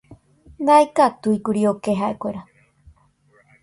Ndaikatúikuri oke ha'ekuéra.